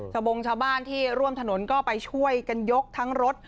บงชาวบ้านที่ร่วมถนนก็ไปช่วยกันยกทั้งรถ